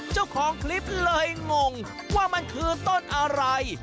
เจ้าของคลิปเลยงงว่ามันคือต้นอะไร